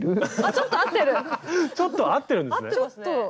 ちょっと合ってるんですね。